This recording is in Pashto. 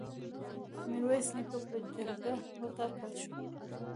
میرویس نیکه په جرګه وټاکل شو.